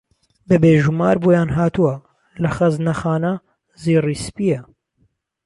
به بێ ژومار بۆیان هاتووه له خهزنهخانه زیڕی سپییه